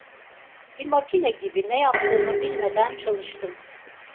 Bir makine gibi, ne yaptığımı bilmeden çalıştım.